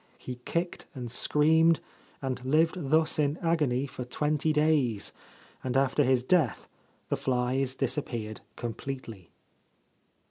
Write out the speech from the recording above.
He kicked and screamed and lived thus in agony for twenty days, and after his death the flies disappeared completely.